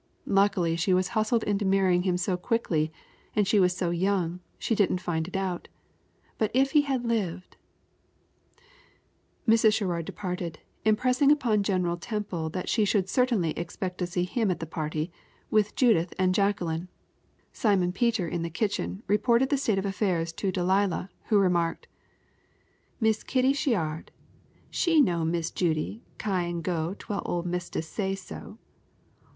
Luckily, she was hustled into marrying him so quickly, and she was so young, she didn't find it out; but if he had lived " Mrs. Sherrard departed, impressing upon General Temple that she should certainly expect to see him at the party, with Judith and Jacqueline. Simon Peter in the kitchen reported the state of affairs to Delilah, who remarked: "Miss Kitty She'ard, she know Miss Judy cyan go twell ole mistis say so.